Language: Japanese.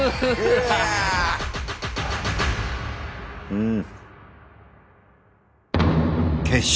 うん。